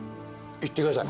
いってください。